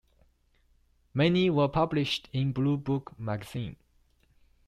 Many were published in "Blue Book" magazine.